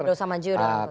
tidak usah maju dong